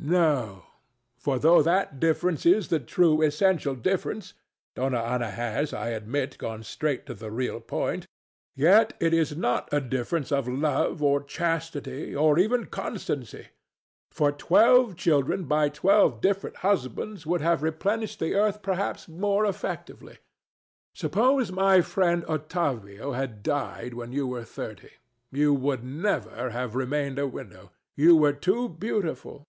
No; for though that difference is the true essential difference Dona Ana has, I admit, gone straight to the real point yet it is not a difference of love or chastity, or even constancy; for twelve children by twelve different husbands would have replenished the earth perhaps more effectively. Suppose my friend Ottavio had died when you were thirty, you would never have remained a widow: you were too beautiful.